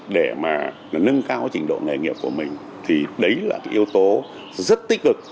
để mà nâng cao trình độ nghề nghiệp của mình thì đấy là cái yếu tố rất tích cực